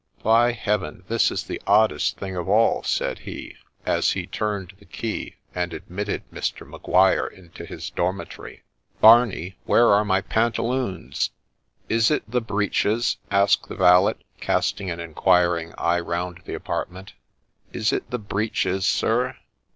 ' By Heaven ! this is the oddest thing of all,' said he, as he turned the key and admitted Mr. Maguire into his dormitory. ' Barney, where are my pantaloons ?'' Is it the breeches ?' asked the valet, casting an inquiring eye round the apartment ;—' is it the breeches, sir